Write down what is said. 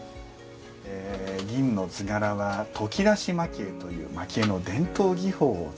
銀の図柄は研ぎ出し蒔絵という蒔絵の伝統技法を使っています。